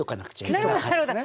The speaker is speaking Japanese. なるほどなるほど。